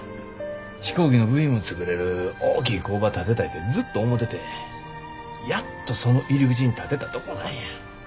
飛行機の部品も作れる大きい工場建てたいてずっと思ててやっとその入り口に立てたとこなんや。